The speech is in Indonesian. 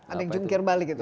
ada yang jungkir balik gitu